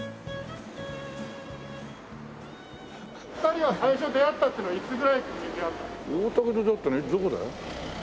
２人は最初出会ったっていうのはいつぐらいに出会ったんですか？